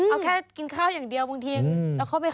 เอาแค่กินข้าวอย่างเดียวบางทีแล้วเข้าไปเข้าปากเลย